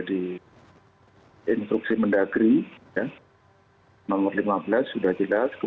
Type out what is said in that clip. kita harus diajak call dari lokasi